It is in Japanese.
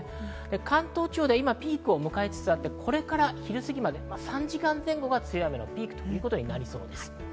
関東地方では今、ピークを迎えつつあって、これから昼過ぎまで３時間前後が強い雨のピークです。